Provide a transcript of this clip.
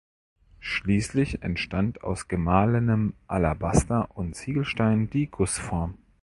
Schließlich entstand aus gemahlenem Alabaster und Ziegelstein die Gussform.